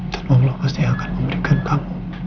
dan allah pasti akan memberikan kamu